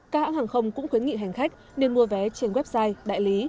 các hãng hàng không cũng khuyến nghị hành khách nên mua vé trên website đại lý